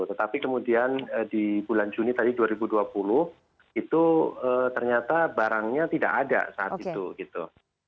tetapi kemudian di bulan juni tadi dua ribu dua puluh itu ternyata barangnya tidak ada saat itu gitu